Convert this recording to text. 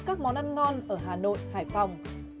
các món ăn ngon ở hà nội hải phòng